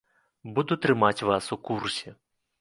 Буду трымаць вас у курсе.